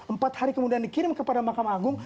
empat hari kemudian dikirim kepada mahkamah agung